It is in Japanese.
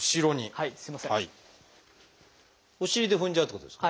はい。